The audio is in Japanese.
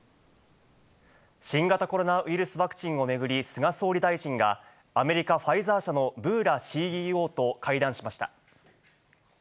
新型コロナウイルスワクチンを巡り、菅総理大臣がアメリカ、ファイザー社のブーラＣＥＯと会談しました。